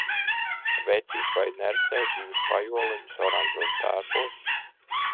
Vecīt, vai neredzēji divus pajoliņus oranžos tērpos?